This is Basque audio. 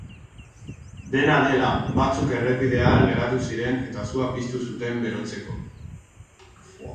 Dena dela, batzuk errepidean geratu ziren, eta sua piztu zuten berotzeko.